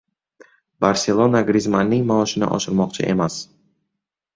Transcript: "Barselona" Grizmanning maoshini oshirmoqchi emas